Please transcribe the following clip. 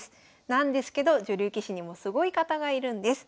なんですけど女流棋士にもすごい方がいるんです。